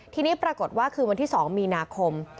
ทีนี้ปรากฏว่าคืนวันที่๒มีนาคม